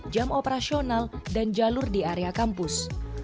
jam operasional dan jalur di area kampus